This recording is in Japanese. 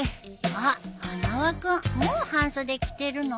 あっ花輪君もう半袖着てるの？